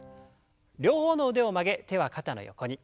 両方の腕を曲げ手は肩の横に。